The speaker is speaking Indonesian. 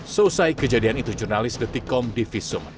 selesai kejadian itu jurnalis detik com divi sumer